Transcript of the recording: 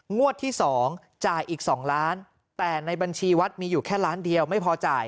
งวดที่๒จ่ายอีก๒ล้านแต่ในบัญชีวัดมีอยู่แค่ล้านเดียวไม่พอจ่าย